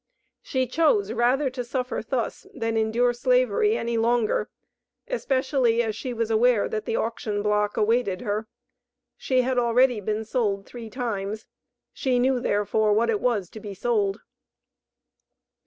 She chose rather to suffer thus than endure slavery any longer, especially as she was aware that the auction block awaited her. She had already been sold three times; she knew therefore what it was to be sold.